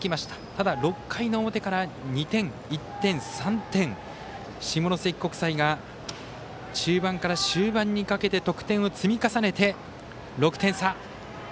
ただ、６回の表から２点、１点、３点下関国際が中盤から終盤にかけて得点を積み重ねて、６点差。